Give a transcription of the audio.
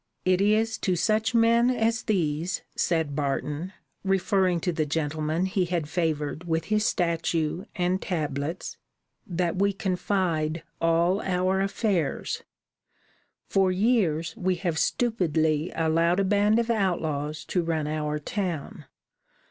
'It is to such men as these,' said Barton, referring to the gentlemen he had favored with his statue and tablets, 'that we confide all our affairs. For years we have stupidly allowed a band of outlaws to run our town.